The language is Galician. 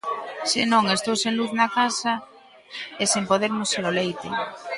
Se non, estou sen luz na casa e sen poder muxir o leite.